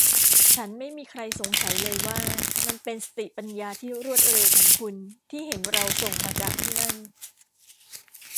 ฉันไม่มีใครสงสัยเลยว่ามันเป็นสติปัญญาที่รวดเร็วของคุณที่เห็นเราส่งมาจากที่นั่น